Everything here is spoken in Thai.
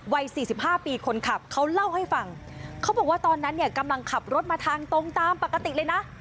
วัยสี่สิบห้าปีคนขับเขาเล่าให้ฟังเขาบอกว่าตอนนั้นเนี่ยกำลังขับรถมาทางตรงตามปกติเลยนะ